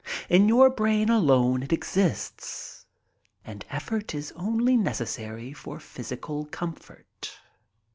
"In your brain alone it exists and effort is only necessary for physical comfort."